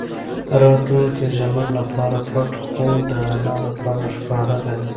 راتلونکی زموږ لپاره پټ خو د الله لپاره ښکاره دی.